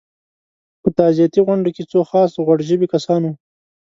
په تعزیتي غونډو کې څو خاص غوړ ژبي کسان وو.